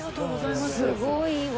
すごいわ。